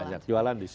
banyak jualan di situ